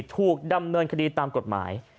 ถูกดำเนินคดีตามกฎหมาย